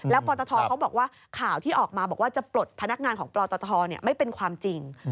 ปตทเขาบอกว่าข่าวที่ออกมาบอกว่าจะปลดพนักงานของปตทไม่เป็นความจริง